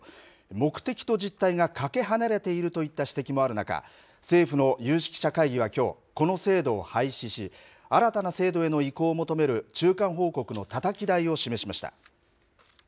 目的と実態がかけ離れているといった指摘もある中、政府の有識者会議はきょう、この制度を廃止し、新たな制度への移行を求める中間報告のたたき台を示しました。